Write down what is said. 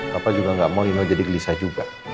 papa juga gak mau nino jadi gelisah juga